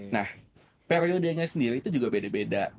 nah periodenya sendiri itu juga beda beda